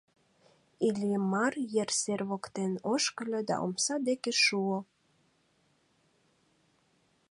Иллимар ер сер воктен ошкыльо да омса деке шуо.